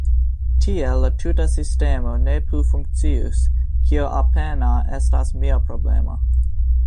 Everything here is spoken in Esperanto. Tiel la tuta sistemo ne plu funkcius – kio apenaŭ estas mia problemo.